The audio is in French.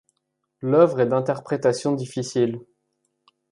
L'œuvre est d'interprétation difficile.